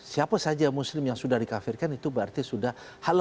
siapa saja muslim yang sudah dikafirkan itu berarti sudah halal